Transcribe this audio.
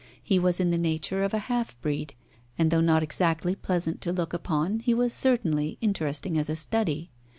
He was in the nature of a half breed, and, though not exactly pleasant to look upon, he was certainly interesting as a study.